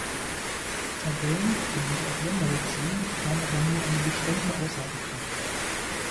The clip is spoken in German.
Tabellen, die sich auf Länder beziehen, haben aber nur eine beschränkte Aussagekraft.